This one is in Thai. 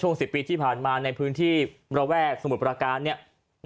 ๑๐ปีที่ผ่านมาในพื้นที่ระแวกสมุทรประการเนี่ย